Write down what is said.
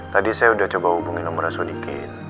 tadi saya udah coba hubungin nomornya sudikin